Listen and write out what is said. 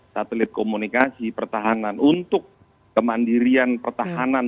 satelit komunikasi pertahanan untuk kemandirian pertahanan